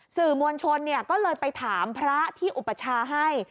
สื่อมวลชนก็เลยไปถามพระที่อุปชาให้